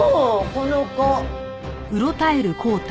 この子。